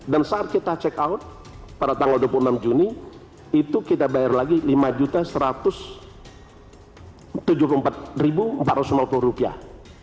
dan saat kita check out pada tanggal dua puluh enam juni itu kita bayar lagi lima satu ratus tujuh puluh empat empat ratus sembilan puluh rupiah